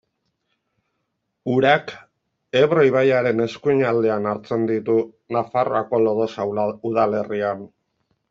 Urak Ebro ibaiaren eskuinaldean hartzen ditu Nafarroako Lodosa udalerrian.